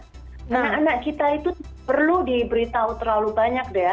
karena anak kita itu tidak perlu diberitahu terlalu banyak